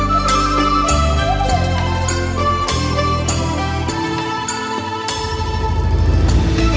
โชว์สี่ภาคจากอัลคาซ่าครับ